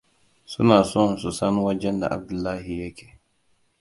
Suna son su san wajenda Abdullahi yake.